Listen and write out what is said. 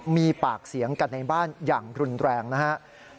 มีปากเสียงกันในบ้านอย่างรุนแรงนะครับ